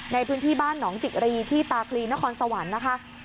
ในพื้นที่บ้านหนองจิรีที่ตาคลีนครสวรรค์นะคะ